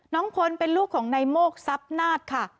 น้องพลเป็นลูกของนายโมกทรัพย์นาฏค่ะ